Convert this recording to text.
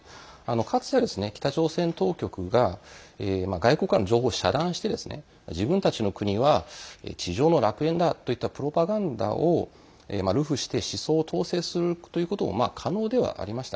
かつては北朝鮮当局が外国からの情報を遮断して自分たちの国は地上の楽園だといったプロパガンダを流布して思想を統制するということも可能ではありました。